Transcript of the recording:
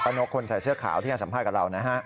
ป้านกคนใส่เสื้อขาวที่อย่างสัมภัยกับเรานะฮะ